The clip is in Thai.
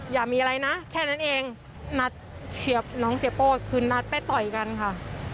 อย่ามีอะไรนะแค่นั้นเองนัดเชียบน้องเสียโป้คืนนัดไปต่อยกันค่ะ